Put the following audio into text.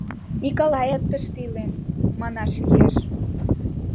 Николаят тыште илен, манаш лиеш...